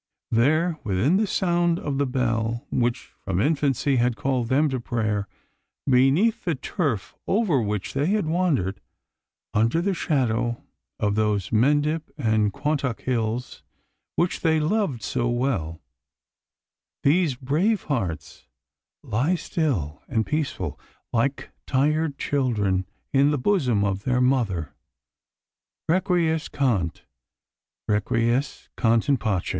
There, within the sound of the bell which from infancy had called them to prayer, beneath the turf over which they had wandered, under the shadow of those Mendip and Quantock Hills which they loved so well, these brave hearts lie still and peaceful, like tired children in the bosom of their mother. Requiescant requiescant in pace!